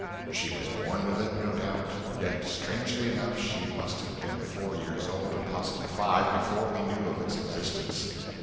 She was born with it, no doubt; yet, strangely enough, she must have been four years old, and possibly five, before we knew of its existence.